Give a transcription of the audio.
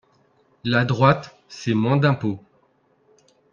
La droite, c’est moins d’impôts.